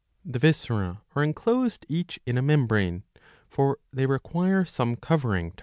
The viscera are enclosed each in a membrane. For they require some covering to.